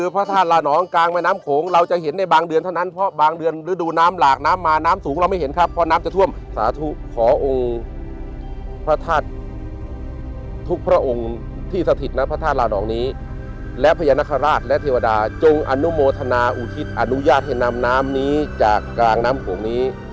พระธาตุและเทวดาจงอนุโมทนาอุทิศอนุญาเทศนำน้ำนี้จากกลางแม่น้ำโขงนี้